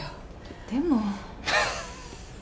でも。